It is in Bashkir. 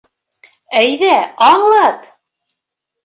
— Әйҙә, аңлат!